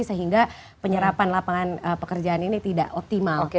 sehingga penyerapan lapangan pekerjaan ini tidak optimal